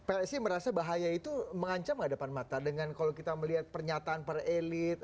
psi merasa bahaya itu mengancam gak depan mata dengan kalau kita melihat pernyataan per elit